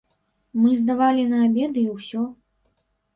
Мы здавалі на абеды, і ўсё.